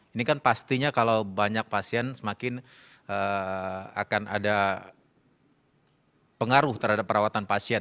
ini kan pastinya kalau banyak pasien semakin akan ada pengaruh terhadap perawatan pasien